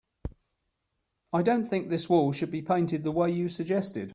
I don't think this wall should be painted the way you suggested.